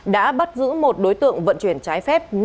đã bắt giữ một đối tượng vận chuyển trái phép